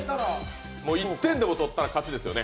１点でも取ったら勝ちですよね。